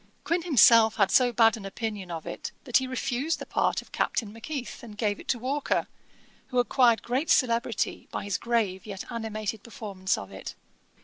Quin himself had so bad an opinion of it, that he refused the part of Captain Macheath, and gave it to Walker, who acquired great celebrity by his grave yet animated performance of it.